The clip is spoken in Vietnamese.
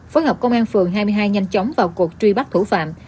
phối hợp công an phường hai mươi hai nhanh chóng vào cuộc truy bắt thủ phạm